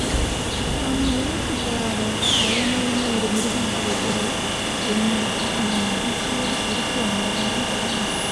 தன்னை எதிர்த்துப் போராட வல்லமையுள்ள ஒரு மிருகம் கிடைத்த்தை எண்ணி, அவன் மகிழ்ச்சியோடு சிரித்து ஆரவாரம் செய்தான்.